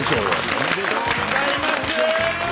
おめでとうございます！